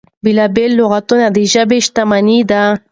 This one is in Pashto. بېلا بېل لغتونه د ژبې شتمني ده.